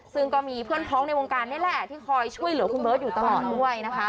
ซึ่งก็มีเพื่อนพ้องในวงการนี่แหละที่คอยช่วยเหลือคุณเบิร์ตอยู่ตลอดด้วยนะคะ